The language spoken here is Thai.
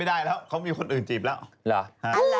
ก็ค่ะเขามีคนอื่นจีบแล้ว